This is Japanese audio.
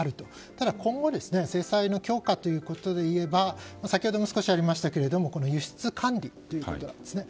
ただ、今後制裁の強化ということでいえば先ほども少しありましたが輸出管理ということですね。